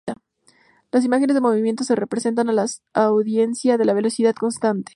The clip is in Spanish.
Las imágenes en movimiento se representan a la audiencia a una velocidad constante.